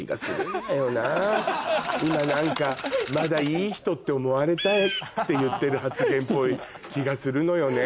今何かまだいい人って思われたくて言ってる発言っぽい気がするのよね